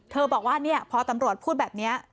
เธอบอกว่าเนี้ยพอตำรวจพูดแบบเนี้ยอ่า